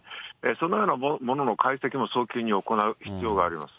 そのようなものの解析も早急に行う必要があります。